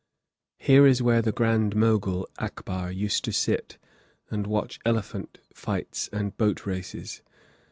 Here is where the Grand Mogul, Akbar, used to sit and watch elephant fights and boat races.